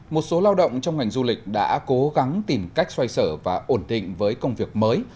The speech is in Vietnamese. một số lao động trong ngành du lịch đã cố gắng tìm cách xoay sở và ổn định với công việc mới